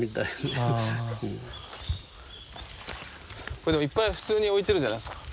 これでもいっぱい普通に置いてるじゃないすか。